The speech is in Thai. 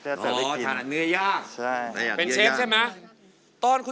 อ๋อถนัดเนื้อย่าง